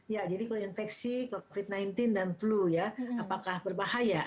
ya jadi kalau infeksi covid sembilan belas dan flu ya apakah berbahaya